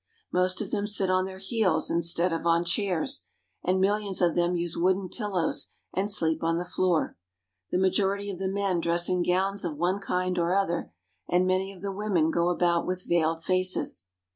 Most of them sit on their heels instead of on chairs, and millions of them use wooden pillows and sleep on the floor. The majority of the men dress in gowns of one kind or other, and many of the women go about with veiled faces.